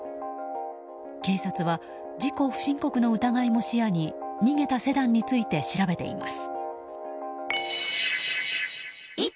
警察は事故不申告の疑いも視野に逃げたセダンについて調べています。